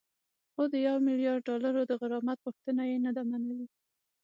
خو د یو میلیارد ډالرو د غرامت غوښتنه یې نه ده منلې